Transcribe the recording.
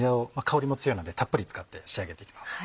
香りも強いのでたっぷり使って仕上げて行きます。